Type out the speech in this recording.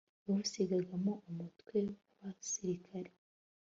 yawusigagamo umutwe w'abasirikare